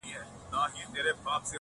شیخ لا هم وو په خدمت کي د لوی پیر وو،